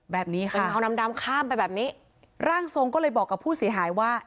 แบบนี้ค่ะเป็นเงาดำดำข้ามไปแบบนี้ร่างทรงก็เลยบอกกับผู้เสียหายว่า